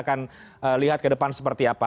akan lihat ke depan seperti apa